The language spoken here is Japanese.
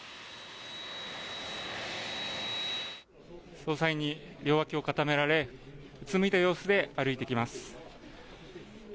捜査員に両脇を固められ、うつむいた様子で歩いていきます。